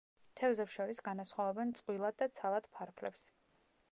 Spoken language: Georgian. თევზებს შორის განასხვავებენ წყვილად და ცალად ფარფლებს.